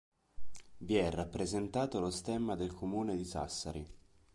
Vi è rappresentato lo stemma del comune di Sassari.